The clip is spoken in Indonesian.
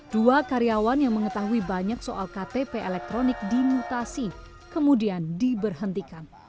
dua karyawan yang mengetahui banyak soal ktp elektronik dimutasi kemudian diberhentikan